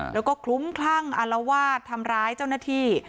แล้วก็คลุ้มคลั่งอารวาสทำร้ายเจ้าหน้าที่